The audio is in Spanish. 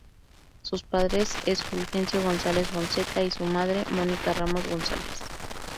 Sus padre es Fulgencio González Fonseca y su madre Mónica Ramos González.